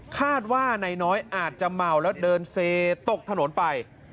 คาดว่านายน้อยอาจจะเมาแล้วเดินเซตกถนนไป